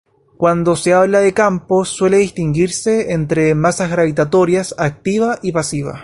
Cuando se habla de campos suele distinguirse entre masas gravitatorias activa y pasiva.